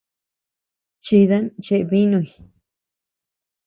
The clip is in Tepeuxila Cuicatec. Chidan cheebinuy.